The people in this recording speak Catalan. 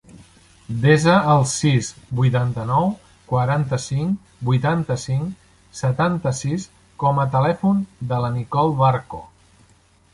Desa el sis, vuitanta-nou, quaranta-cinc, vuitanta-cinc, setanta-sis com a telèfon de la Nicole Barco.